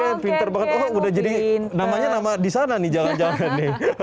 ken ken pinter banget oh udah jadi namanya disana nih jalan jalan